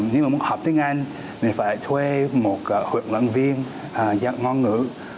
nếu mà muốn học tiếng anh mình phải thuê một huyện luận viên dạng ngôn ngữ